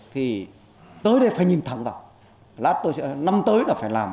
thì tới đây phải nhìn thẳng vào lát tôi sẽ năm tới là phải làm